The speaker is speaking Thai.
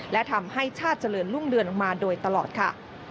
และทำให้ชาติเจริญรุ่งเรือนมาโดยตลอดค่ะ